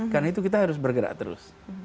karena itu kita harus bergerak terus